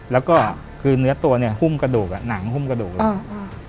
แล้วก็คือเนื้อตัวเนี้ยหุ้มกระดูกอ่ะหนังหุ้มกระดูกเลยอ่า